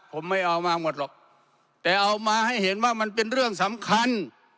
ผมไม่เอามาหมดหรอกแต่เอามาให้เห็นว่ามันเป็นเรื่องสำคัญ